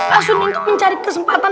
asun itu mencari kesempatan